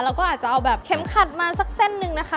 เราก็อาจจะเอาแบบเข็มขัดมาสักเส้นหนึ่งนะคะ